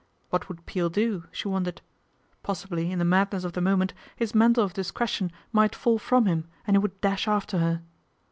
What would Peel do ? she wondered. Possibly in the madness of the moment his mantle of discretion might fall from him, and he would dash after her.